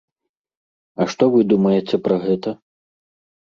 А што вы думаеце пра гэта?